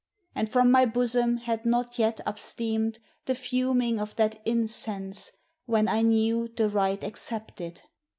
And from my bosom had not vet upsteamed The fuming of that incense, when I knew The rite accepted.